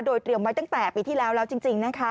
โดยเตรียมไว้ตั้งแต่ปีที่แล้วแล้วจริงนะคะ